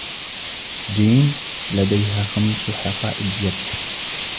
جين لديها خمس حقائب يد.